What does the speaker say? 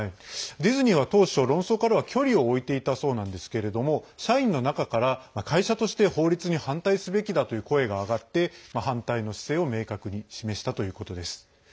ディズニーは当初、論争からは距離を置いていたそうなんですけれども社員の中から、会社として法律に反対すべきだという声が上がって反対の姿勢を明確に示したということです。